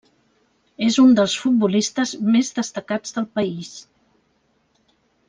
És un dels futbolistes més destacats del país.